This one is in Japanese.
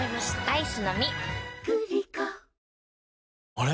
あれ？